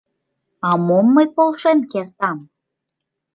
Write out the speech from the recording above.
— А мом мый полшен кертам?